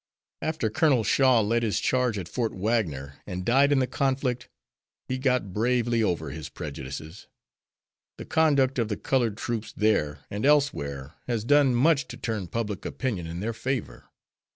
After Colonel Shaw led his charge at Fort Wagner, and died in the conflict, he got bravely over his prejudices. The conduct of the colored troops there and elsewhere has done much to turn public opinion in their favor.